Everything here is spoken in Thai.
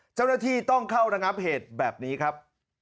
เจ้าหน้าที่ต้องเข้าระงับเหตุแบบนี้ครับ